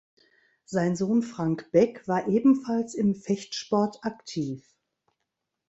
Sein Sohn Frank Beck war ebenfalls im Fechtsport aktiv.